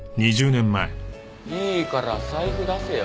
いいから財布出せよ。